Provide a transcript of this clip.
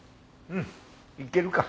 うんいけるか。